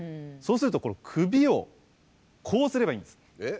そうするとこの首をこうすればいいんです。